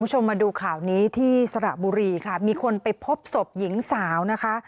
คุณผู้ชมมาดูข่าวนี้ที่สระบุรีค่ะมีคนไปพบศพหญิงสาวนะคะ